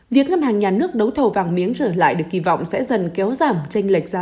việc ngân hàng nhà nước đấu thầu vàng miếng trở lại được kỳ vọng sẽ dần kéo giảm tranh lệch giá